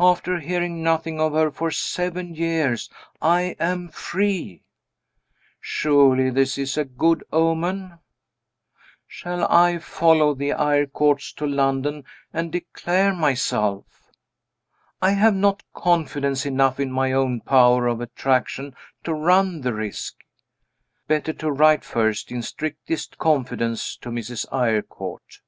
After hearing nothing of her for seven years I am free! Surely this is a good omen? Shall I follow the Eyrecourts to London, and declare myself? I have not confidence enough in my own power of attraction to run the risk. Better to write first, in strictest confidence, to Mrs. Eyrecourt.